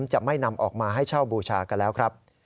จะไม่นำออกมาให้เช่าบูชากันแล้วครับ